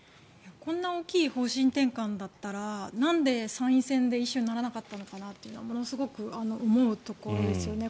こんな大きい方針転換だったらなんで参院選でイシューにならなかったのかなというのが思うところですね。